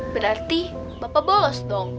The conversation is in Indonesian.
berarti bapak bolos dong